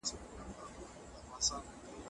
که ته له خرافاتو ونه وځې نو حقیقت نه سې موندلی.